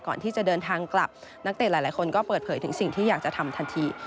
ก่อนที่จะเดินทางกลับนักเตะหลายคนก็เปิดเผยถึงสิ่งที่อยากจะทำทันที